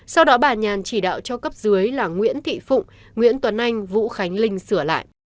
sau đó bà nhàn chỉ đạo cho cấp dưới là nguyễn thị phụng nguyễn tuấn anh vũ khánh linh sửa lại